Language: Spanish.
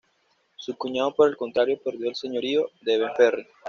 Su cuñado por el contrario perdió el señorío de Benferri.